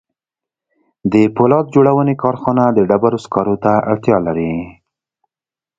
د پولاد جوړونې کارخانه د ډبرو سکارو ته اړتیا لري